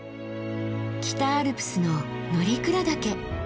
北アルプスの乗鞍岳。